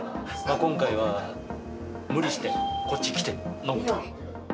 今回は無理してこっち来て飲むと。